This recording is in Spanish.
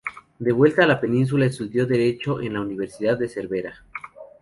De vuelta a la Península, estudió Derecho en la Universidad de Cervera.